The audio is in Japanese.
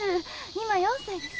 今４歳です。